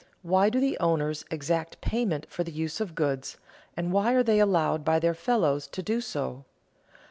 Why do the owners exact payment for the use of goods, and why are they allowed by their fellows to do so?